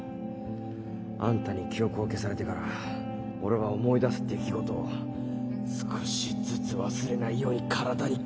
あんたに記憶を消されてから俺は思い出す出来事を少しずつ忘れないように体に刻み込んだ。